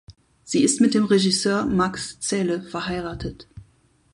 Sie ist mit dem Regisseur Max Zähle verheiratet.